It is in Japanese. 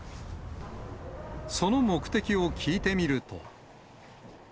その目的を聞いてみると。